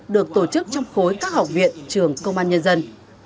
được tổ chức trong khối các học viện trường công an nhân dân